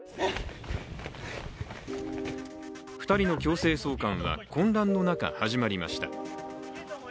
２人の強制送還は、混乱の中、始まりました。